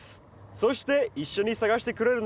そして一緒に探してくれるのが。